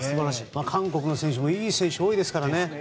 韓国もいい選手多いですからね。